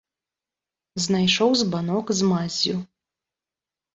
Знайшоў збанок з маззю.